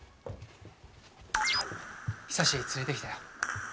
久志連れてきたよ。